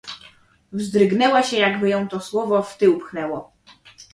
"Wzdrygnęła się, jakby ją to słowo w tył pchnęło."